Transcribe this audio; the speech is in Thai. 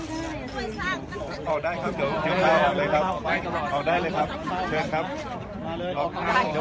มีผู้ที่ได้รับบาดเจ็บและถูกนำตัวส่งโรงพยาบาลเป็นผู้หญิงวัยกลางคน